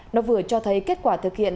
nó vừa cho thấy kết quả thực hiện